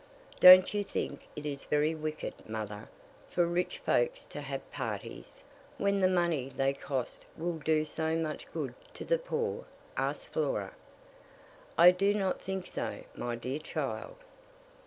"Don't you think it is very wicked, mother, for rich folks to have parties, when the money they cost will do so much good to the poor?" asked Flora. "I do not think so, my dear child."